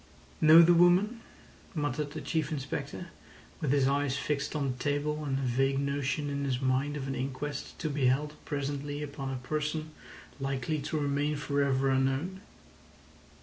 "Know the woman?" muttered the Chief Inspector, with his eyes fixed on the table, and a vague notion in his mind of an inquest to be held presently upon a person likely to remain for ever unknown.